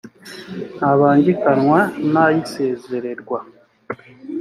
ntabangikanywa n ay isezererwa